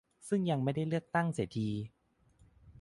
ซึ่งยังไม่ได้เลือกตั้งเสียที